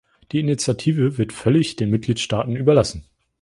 Die Initiative wird völlig den Mitgliedstaaten überlassen.